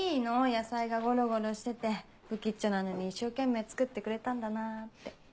野菜がゴロゴロしててぶきっちょなのに一生懸命作ってくれたんだなって。